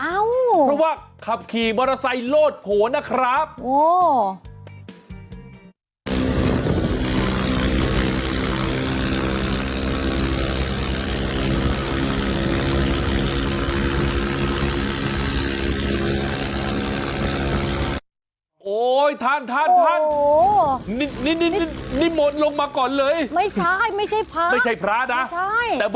เพราะว่าขับขี่มอเตอร์ไซค์โลดโผล่นะครับ